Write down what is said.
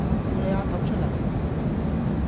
叫你阿頭出嚟